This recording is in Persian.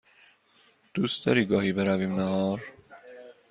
دوست داری گاهی برویم نهار؟